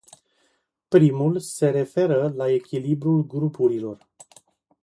Primul se referă la echilibrul grupurilor.